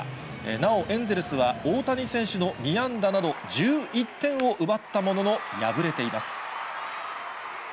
なおエンゼルスは、大谷選手の２安打など、１１点を奪ったものの敗れています。